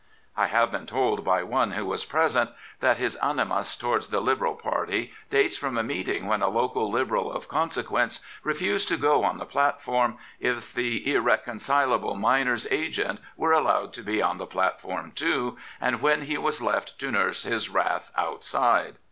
1 have been told by one^^o was present that his animus towards the Liberal Party dates from a meet ing when a local Liberal of consequence refused to go on the platform if the irreconcilable miner^s agent were allowed to be on the platform too, and when he was left to nurse his wrath outside.